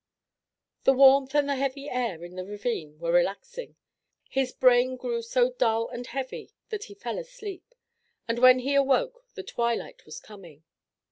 The warmth and the heavy air in the ravine were relaxing. His brain grew so dull and heavy that he fell asleep, and when he awoke the twilight was coming.